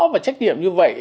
và trách nhiệm như vậy